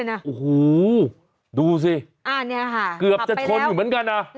โอ้โฮดูสิเกือบจะทนอยู่เหมือนกันนะอ่านี่ค่ะขับไปแล้ว